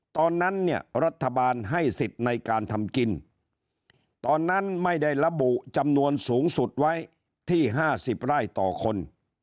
ตอนนั้นเนี่ยรัฐบาลให้สิทธิ์ในการทำกินตอนนั้นไม่ได้ระบุจำนวนสูงสุดไว้ที่๕๐ไร่ต่อคน